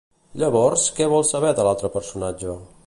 Llavors, què vol saber l'altre personatge?